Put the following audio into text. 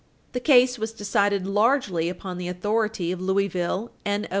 The case was decided largely upon the authority of Railway Co.